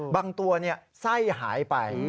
บางตัวไส้หายไป